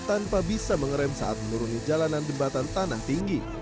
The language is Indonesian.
tanpa bisa mengerem saat menuruni jalanan jembatan tanah tinggi